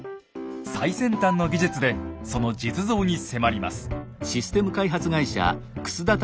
最先端の技術でその実像に迫ります。